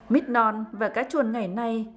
mít non và cá chuồn ngày nay